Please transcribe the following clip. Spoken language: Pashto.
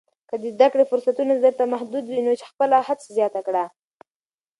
که د زده کړې فرصتونه درته محدود وي، نو خپله هڅه زیاته کړه.